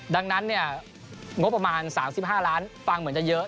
ดังนั้นเนี่ยงบประมาณ๓๕ล้านฟังเหมือนจะเยอะ